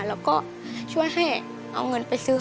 แล้วก็ช่วยให้เอาเงินไปซื้อ